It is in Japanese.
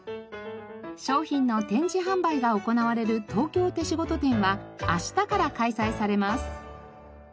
商品の展示販売が行われる東京手仕事展はあしたから開催されます。